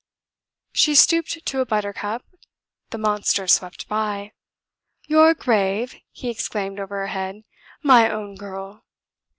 She stooped to a buttercup; the monster swept by. "Your grave!" he exclaimed over her head; "my own girl!"